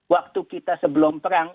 waktu kita sebelum perang